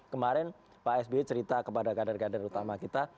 kemarin pak sby cerita kepada kader kader utama kita